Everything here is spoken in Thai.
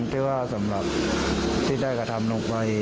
ที่ว่าสำหรับที่ได้กระทำลงไป